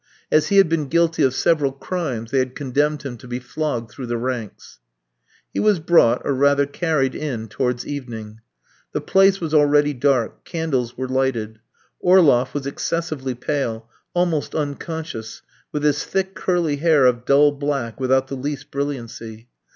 As he had been guilty of several crimes, they had condemned him to be flogged through the ranks. He was brought, or, rather carried, in towards evening. The place was already dark. Candles were lighted. Orloff was excessively pale, almost unconscious, with his thick curly hair of dull black without the least brilliancy.